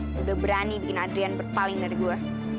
sudah berani bikin adrian paling dari gue